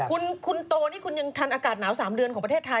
คุณโตนี่คุณยังทันอากาศหนาว๓เดือนของประเทศไทย